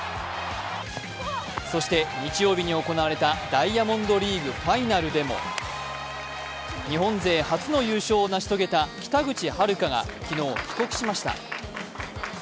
そして日曜日に行われたダイヤモンドリーグファイナルでも、日本勢初の優勝を成し遂げた北口榛花が昨日、帰国しました。